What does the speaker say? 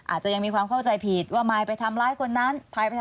อาจจะยังมีความเข้าใจผิดว่ามายไปทำร้ายคนนั้นพายไปทำ